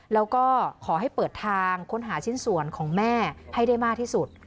แล้วก็ขอให้เปิดทางค้นหาชิ้นส่วนของแม่ให้ได้มากที่สุด